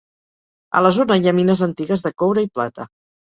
A la zona hi ha mines antigues de coure i plata.